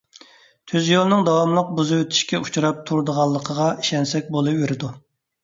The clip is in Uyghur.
تۈز يولنىڭ داۋاملىق بۇزۇۋېتىشكە ئۇچراپ تۇرۇدىغانلىقىغا ئىشەنسەك بولىۋېرىدۇ.